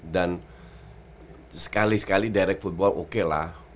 dan sekali sekali direct football oke lah